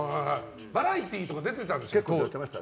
バラエティーとか出ていましたか？